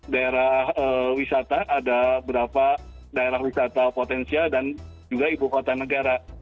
daerah wisata ada beberapa daerah wisata potensial dan juga ibu kota negara